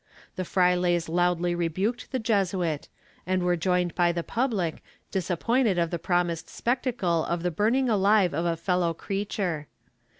The frailes loudly rebuked the Jesuit, and were joined by the public, disappointed of the promised spectacle of the burning alive of a fellow creature.